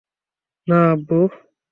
না, আব্বু!